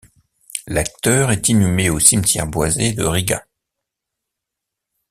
L'acteur est inhumé au cimetière boisé de Riga.